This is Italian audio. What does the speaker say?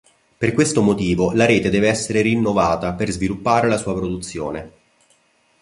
Per questo motivo, la rete deve essere rinnovata per sviluppare la sua produzione.